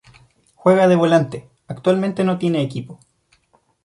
Juega de volante, actualmente no tiene equipo.